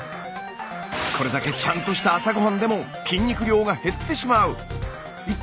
これだけちゃんとした朝ごはんでも筋肉量が減ってしまう。